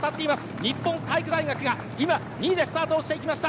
日本体育大学が今２位でスタートしていきました。